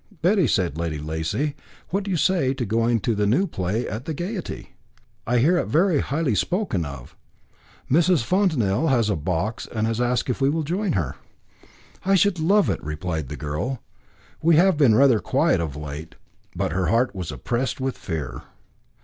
"Betty," said Lady Lacy, "what do you say to going to the new play at the Gaiety? I hear it very highly spoken of. Mrs. Fontanel has a box and has asked if we will join her." "I should love it," replied the girl; "we have been rather quiet of late." But her heart was oppressed with fear.